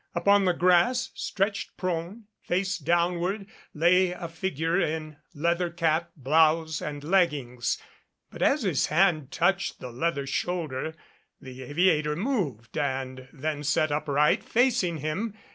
Upon the grass, stretched prone, face downward, lay a figure in leather cap, blouse and leggings. But as his hand touched the leather shoulder, the aviator moved and then sat upright, facing him.